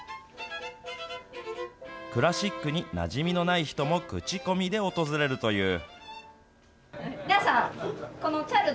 クラシックになじみのない人も口コミで訪れるという。